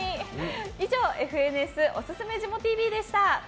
以上ＦＮＳおすすめジモＴＶでした。